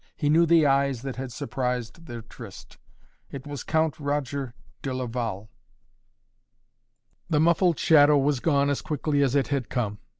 He knew the eyes that had surprised their tryst. It was Count Roger de Laval. The muffled shadow was gone as quickly as it had come.